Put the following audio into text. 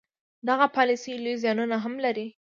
دغه پالیسي لوی زیانونه هم لري.